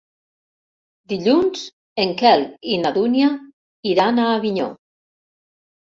Dilluns en Quel i na Dúnia iran a Avinyó.